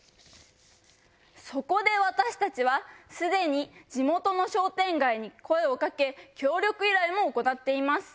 そこで私たちはすでに地元の商店街に声をかけ協力依頼も行っています。